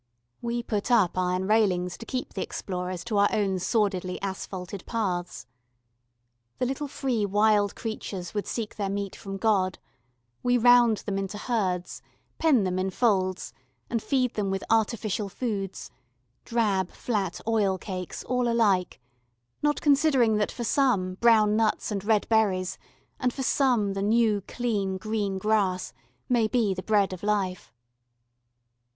We put up iron railings to keep the explorers to our own sordidly asphalted paths. The little free wild creatures would seek their meat from God: we round them into herds, pen them in folds, and feed them with artificial foods drab flat oil cakes all alike, not considering that for some brown nuts and red berries, and for some the new clean green grass, may be the bread of life.